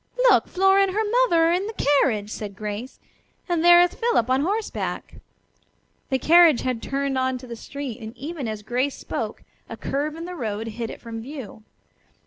Look, Flora and her mother are in the carriage!" said Grace, "and there is Philip on horseback." The carriage had turned on to the street, and even as Grace spoke a curve in the road hid it from view.